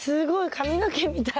髪の毛みたいもう。